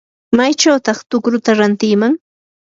¿maychawtaq tukruta rantiman?